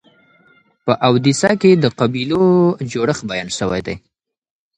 په اودیسه کي د قبیلو جوړښت بیان سوی دی.